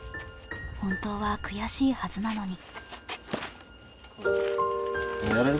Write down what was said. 本当は悔しいはずなのに。